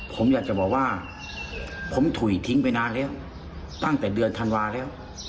ผมอยากจะบอกว่าผมถุยทิ้งไปนานแล้วตั้งแต่เดือนธันวาแล้ว